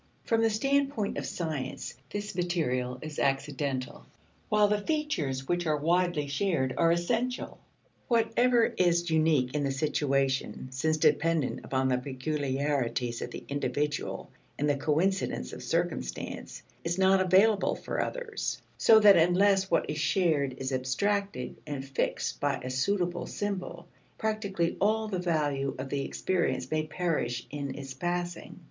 From the standpoint of science, this material is accidental, while the features which are widely shared are essential. Whatever is unique in the situation, since dependent upon the peculiarities of the individual and the coincidence of circumstance, is not available for others; so that unless what is shared is abstracted and fixed by a suitable symbol, practically all the value of the experience may perish in its passing.